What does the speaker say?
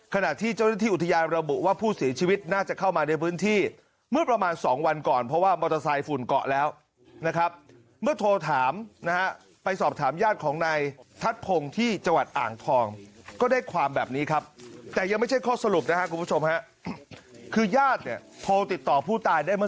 ขณะที่เจ้าหน้าที่อุทยานระบุว่าผู้เสียชีวิตน่าจะเข้ามาในพื้นที่เมื่อประมาณสองวันก่อนเพราะว่ามอเตอร์ไซค์ฝุ่นเกาะแล้วนะครับเมื่อโทรถามนะฮะไปสอบถามญาติของนายทัศน์พงศ์ที่จังหวัดอ่างทองก็ได้ความแบบนี้ครับแต่ยังไม่ใช่ข้อสรุปนะครับคุณผู้ชมฮะคือญาติเนี่ยโทรติดต่อผู้ตายได้เมื่อ